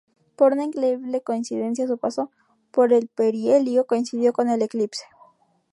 Por una increíble coincidencia su paso por el perihelio coincidió con el eclipse.